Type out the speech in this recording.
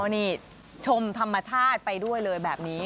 นี่ชมธรรมชาติไปด้วยเลยแบบนี้